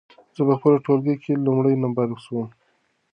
زه په خپل ټولګي کې لومړی نمره سوم.